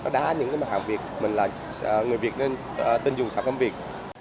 đá những mặt hàng việt mình là người việt nên tên dùng sản phẩm việt